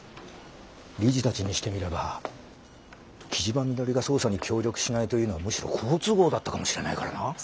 理事たちにしてみれば木嶋みのりが捜査に協力しないというのはむしろ好都合だったかもしれないからな。